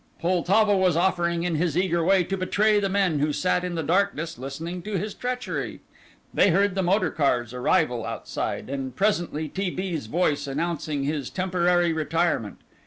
Poltavo was offering in his eager way to betray the men who sat in the darkness listening to his treachery. They heard the motor car's arrival outside, and presently T. B.'s voice announcing his temporary retirement.